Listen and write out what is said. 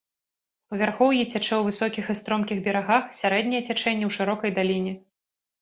У вярхоўі цячэ ў высокіх і стромкіх берагах, сярэдняе цячэнне ў шырокай даліне.